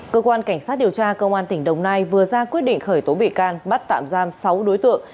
cơ quan cảnh sát điều tra công an tỉnh đồng nai vừa ra quyết định khởi tố bị can bắt tạm giam sáu đối tượng